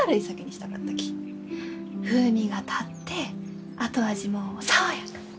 風味が立って後味も爽やか。